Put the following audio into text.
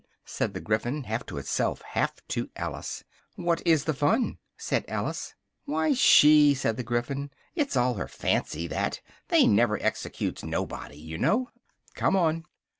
said the Gryphon, half to itself, half to Alice. "What is the fun?" said Alice. "Why, she," said the Gryphon; "it's all her fancy, that: they never executes nobody, you know: come on!"